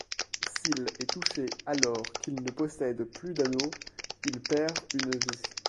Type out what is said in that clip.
S'il est touché alors qu'il ne possède plus d'anneau, il perd une vie.